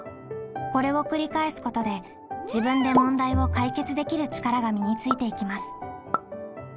これを繰り返すことで自分で問題を解決できる力が身についていきます。